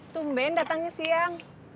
tumben datangnya siang